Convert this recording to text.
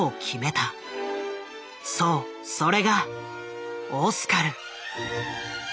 そうそれがオスカル。